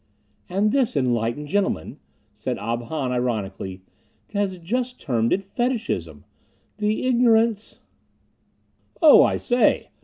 "And this enlightened gentleman," said Ob Hahn ironically, "has just termed it fetishism. The ignorance " "Oh, I say!"